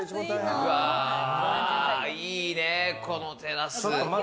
いいね、このテラス。